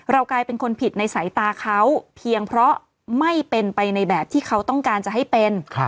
กลายเป็นคนผิดในสายตาเขาเพียงเพราะไม่เป็นไปในแบบที่เขาต้องการจะให้เป็น